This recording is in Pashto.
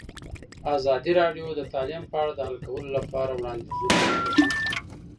ازادي راډیو د تعلیم په اړه د حل کولو لپاره وړاندیزونه کړي.